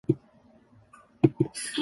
こども